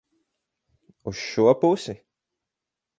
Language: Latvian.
Uz šo pusi?